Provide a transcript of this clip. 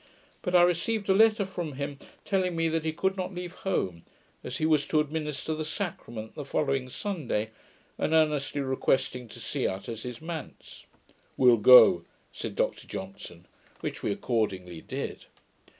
But I received a letter from him, telling me that he could not leave home, as he was to administer the sacrament the following Sunday, and earnestly requesting to see us at his manse. 'We'll go,' said Dr Johnson; which we accordingly did.